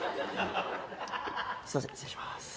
すみません失礼します。